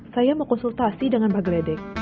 saya mau konsultasi dengan pak gledek